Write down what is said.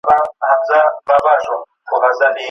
د انسانانو په جنګ راغلې